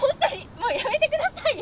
もうやめてくださいよ！